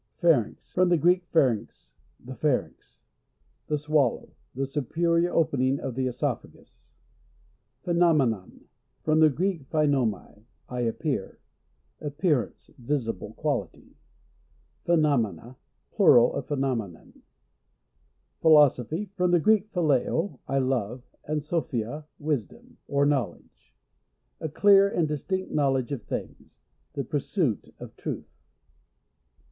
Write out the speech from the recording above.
Pharynx. — From the Greek, pharugx, the pharynx. The swallow. Th6 superior opening of the (Esophagus. Phenomenon. — From the Greek, phai nomai, I appear. Appearance; visi ble quality. Phenomena. — Plural of Phenomenon Philosophy. — From the Greek phileo, I love, and sophia, wisdom or knowledge. A clear and distinct knowledge of things. The pursuit of truth.